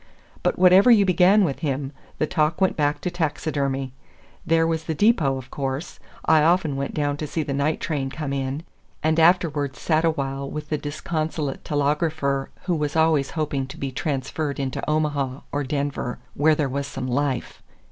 But whatever you began with him, the talk went back to taxidermy. There was the depot, of course; I often went down to see the night train come in, and afterward sat awhile with the disconsolate telegrapher who was always hoping to be transferred to Omaha or Denver, "where there was some life."